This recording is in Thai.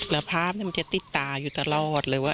แล้วภาพมันจะติดตาอยู่ตลอดเลยว่า